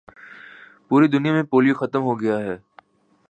پوری دنیا میں پولیو ختم ہو گیا ہے